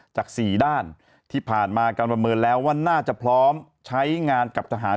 จาก๔ด้านที่ผ่านมาการประเมินแล้วว่าน่าจะพร้อมใช้งานกับทหาร